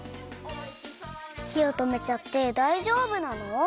ひをとめちゃってだいじょうぶなの？